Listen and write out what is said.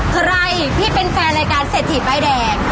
ใครที่เป็นแฟนรายการเศรษฐีป้ายแดง